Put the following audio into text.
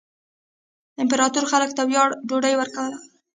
امپراتور خلکو ته وړیا ډوډۍ ورکوله.